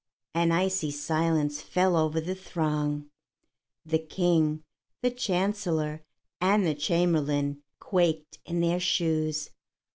An icy silence fell over the throng. The King, the Chancellor, and the Chamberlain quaked in their shoes.